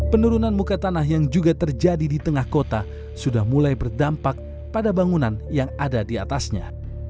penurunan muka tanah yang juga terjadi di tengah kota sudah mulai berdampak pada bangunan yang ada di atasnya